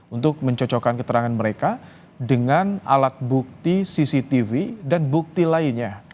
untuk mencocokkan keterangan mereka dengan alat bukti cctv dan bukti lainnya